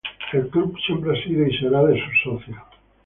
El club siempre ha sido y será de sus socios.